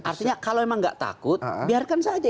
artinya kalau memang nggak takut biarkan saja